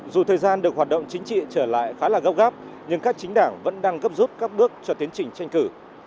dù thời gian được hoạt động chính trị trở lại khá là gấp gáp nhưng các chính đảng vẫn đang gấp rút các bước cho tiến trình tranh cử